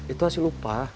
itu hasil lupa